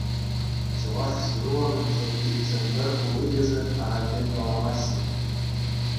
Чӑваш ҫырулӑхӗн сӑпки Чӗмпӗр хули тесе ахальтен каламаҫҫӗ.